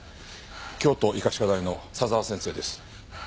京都医科歯科大の佐沢先生です。